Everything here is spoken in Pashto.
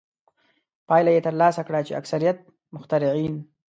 پایله یې ترلاسه کړه چې اکثریت مخترعین.